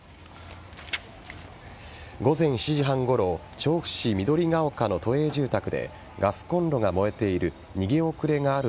午前７時半ごろ調布市緑ケ丘の都営住宅でガスコンロが燃えている。